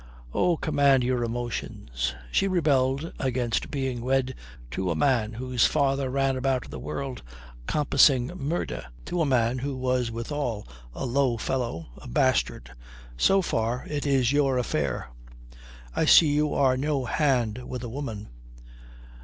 "Oh, command your emotions! She rebelled against being wed to a man whose father ran about the world compassing murder, to a man who was withal a low fellow, a bastard. So far, it is your affair." "I see you are no hand with a woman."